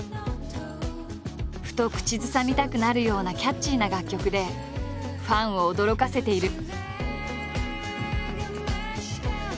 ふと口ずさみたくなるようなキャッチーな楽曲でファンを驚かせている。